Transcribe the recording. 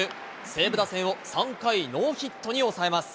西武打線を３回ノーヒットに抑えます。